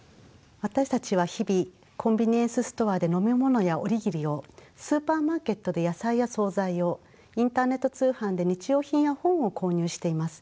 私たちは日々コンビニエンスストアで飲み物やお握りをスーパーマーケットで野菜や総菜をインターネット通販で日用品や本を購入しています。